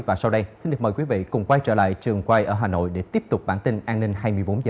và sau đây xin mời quý vị cùng quay trở lại trường quay ở hà nội để tiếp tục bản tin an ninh hai mươi bốn h